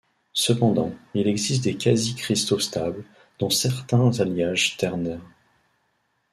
Cependant, il existe des quasi-cristaux stables, dont certains alliages ternaires.